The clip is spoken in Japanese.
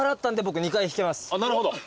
なるほど。